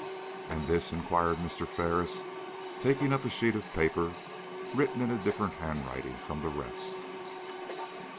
"And this?" inquired Mr. Ferris, taking up a sheet of paper written in a different handwriting from the rest.